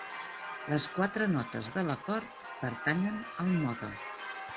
Les quatre notes de l'acord pertanyen al mode.